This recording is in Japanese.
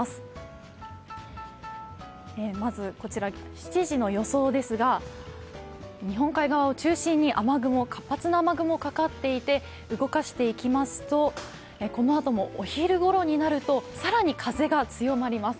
７時の予想ですが、日本海側を中心に活発な雨雲がかかっていて、このあともお昼ごろになると、更に風が強まります。